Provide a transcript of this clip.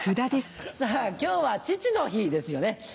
さぁ今日は父の日ですよね。